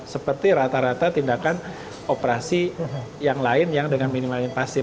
seperti rata rata tindakan operasi yang lain yang dengan minimal invasif